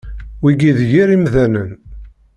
Wigi d yir imdanen.